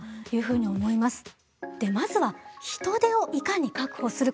まずは人手をいかに確保するか。